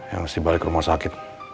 ya mesti balik rumah sakit